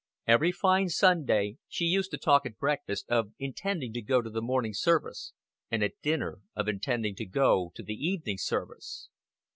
Every fine Sunday she used to talk at breakfast of intending to go to the morning service; and at dinner of intending to go to the evening service.